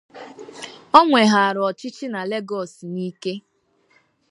ọ weghara ọchịchị na Legọs n’ike